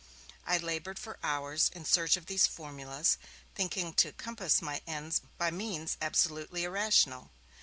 I laboured for hours in search of these formulas, thinking to compass my ends by means absolutely irrational.